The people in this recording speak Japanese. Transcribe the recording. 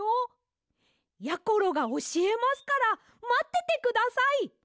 やころがおしえますからまっててください。